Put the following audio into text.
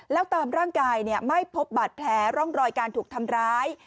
แล้วตามร่างกายไม่พบบาดแผลร่องรอยการถูกทำร้าย